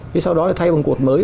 thế sau đó thay bằng cột mới